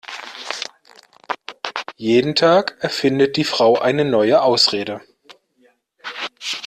Jeden Tag erfindet die Frau eine neue Ausrede.